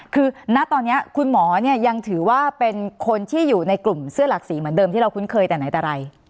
คือณตอนนี้คุณหมอเนี่ยยังถือว่าเป็นคนที่อยู่ในกลุ่มเสื้อหลักสีเหมือนเดิมที่เราคุ้นเคยแต่ไหนแต่ไร